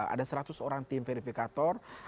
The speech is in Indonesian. ada seratus orang tim verifikator